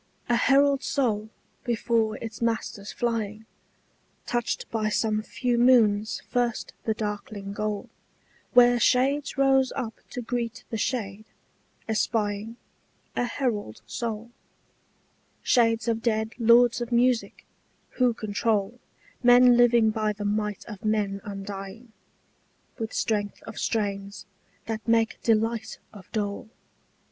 A herald soul before its master's flying Touched by some few moons first the darkling goal Where shades rose up to greet the shade, espying A herald soul; Shades of dead lords of music, who control Men living by the might of men undying, With strength of strains that make delight of dole.